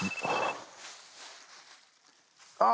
あっ。